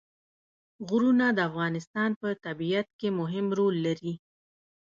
غرونه د افغانستان په طبیعت کې مهم رول لري.